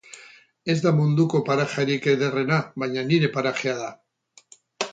Ez da munduko parajerik ederrena, baina nire parajea da.